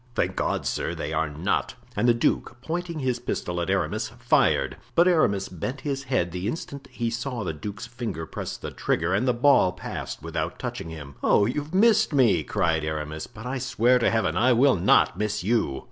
"Thank God, sir, they are not!" And the duke, pointing his pistol at Aramis, fired. But Aramis bent his head the instant he saw the duke's finger press the trigger and the ball passed without touching him. "Oh! you've missed me," cried Aramis, "but I swear to Heaven! I will not miss you."